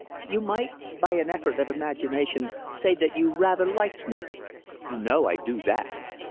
"You might by an effort of imagination say that you rather liked me." "You know I do that."